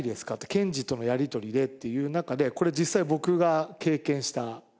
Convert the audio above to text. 検事とのやり取りで」っていう中でこれ実際僕が経験した訓練なんですよ。